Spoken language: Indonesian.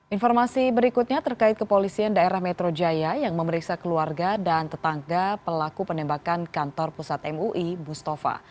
informasi berikutnya terkait kepolisian daerah metro jaya yang memeriksa keluarga dan tetangga pelaku penembakan kantor pusat mui bustafa